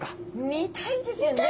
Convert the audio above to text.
見たいですよね！